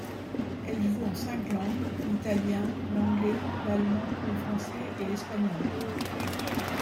Elle joue en cinq langues, l'italien, l'anglais, l'allemand, le français et l'espagnol.